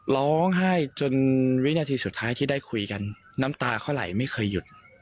ร้องไห้จนวินาทีสุดท้ายที่ได้คุยกันน้ำตาเขาไหลไม่เคยหยุด